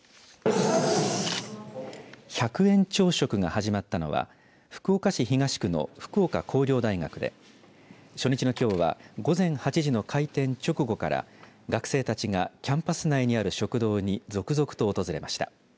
１００円朝食が始まったのは福岡市東区の福岡工業大学で初日のきょうは午前８時の開店直後から学生たちがキャンパス内にある食堂に続々と訪れました。